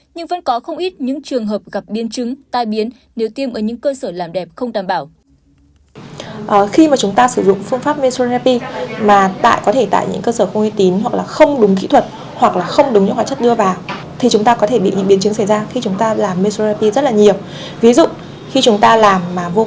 nhưng vẫn có không ít những trường hợp gặp biên chứng tai biến nếu tiêm ở những cơ sở làm đẹp không đảm bảo